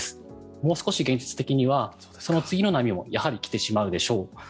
もう少し現実的には次の波もやはり来てしまうでしょう。